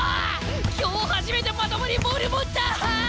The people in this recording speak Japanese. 今日初めてまともにボール持った！